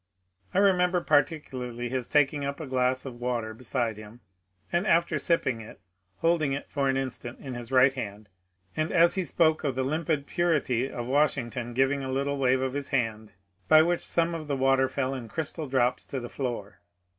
I remember particularly his taking up a glass of water beside him, and after sipping it holding it for an instant in his right hand, and as he spoke of the limpid purity of Washington giving a little wave of his hand by which some of the water fell in crystal drops to the floor.